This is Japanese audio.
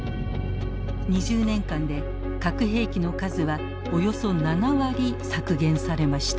２０年間で核兵器の数はおよそ７割削減されました。